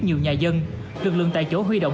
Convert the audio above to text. nhiều nhà dân lực lượng tại chỗ huy động